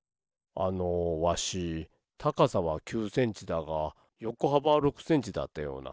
あのわしたかさは９センチだがよこはばは６センチだったような。